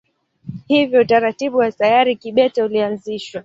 Hivyo utaratibu wa sayari kibete ulianzishwa.